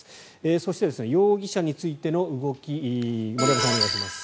そして、容疑者についての動き森山さん、お願いします。